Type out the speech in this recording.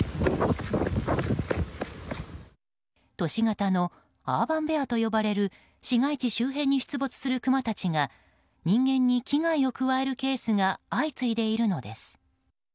都市型のアーバン・ベアと呼ばれる市街地周辺に出没するくまたちが人間に危害を加えるケースが相次いでいるのです。